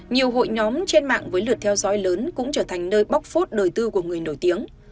nhiều hội nhóm trên mạng với lượt theo dõi lớn cũng trở thành nơi bóc phốt đời tư của người nổi tiếng